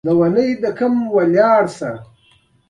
د معرفتي بعدونو د تبیین په خاطر.